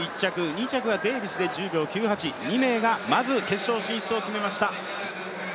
２着がデービス１０秒９８、２名が決勝進出を決めました。